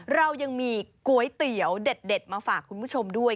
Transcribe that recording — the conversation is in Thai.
เรายังมีก๋วยเตี๋ยวเด็ดมาฝากคุณผู้ชมด้วย